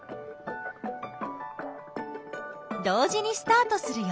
同時にスタートするよ。